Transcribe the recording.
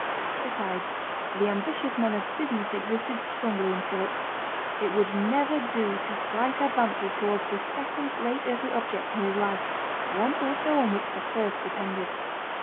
Besides, the ambitious man of business existed strongly in Philip. It would never do to slight advances towards the second great earthly object in his life; one also on which the first depended.